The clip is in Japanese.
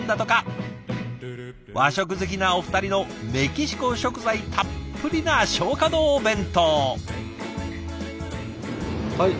和食好きなお二人のメキシコ食材たっぷりな松花堂弁当。